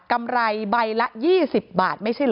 กำไรใบละ๒๐บาทไม่ใช่เหรอ